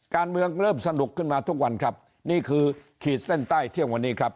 การเมืองเริ่มสนุกขึ้นมาทุกวันครับนี่คือขีดเส้นใต้เที่ยงวันนี้ครับ